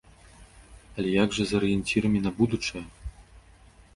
Але як жа з арыенцірамі на будучае.